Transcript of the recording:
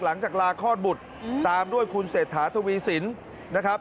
หลังจากลาคลอดบุตรตามด้วยคุณเศรษฐาทวีสินนะครับ